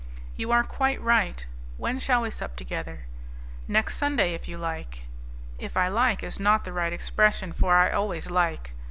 "You are quite right. When shall we sup together?" "Next Sunday, if you like." "If I like is not the right expression, for I always like.